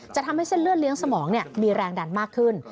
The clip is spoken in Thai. ทำให้เส้นเลือดเลี้ยงสมองมีแรงดันมากขึ้น